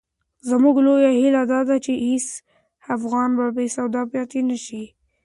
زموږ لویه هیله دا ده چې هېڅ افغان بې سواده پاتې نه سي.